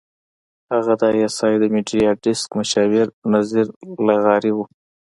هغه د اى ايس اى د میډیا ډیسک مشاور نذیر لغاري وو.